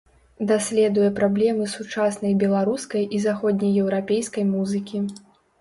Даследуе праблемы сучаснай беларускай і заходне-еўрапейскай музыкі.